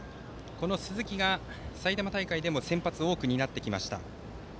この鈴木が埼玉大会でも先発を多く担ってきました。